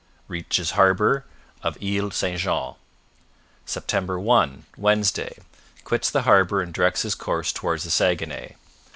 Reaches harbour of Isles St John. Sept. 1 Wednesday Quits the harbour and directs his course toward the Saguenay.